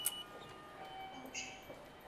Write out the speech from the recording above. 当选热河省承德市邮电局邮电工业劳模。